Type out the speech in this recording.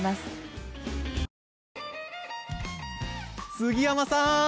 杉山さん！